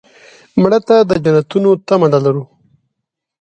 مړه ته د جنتونو تمه لرو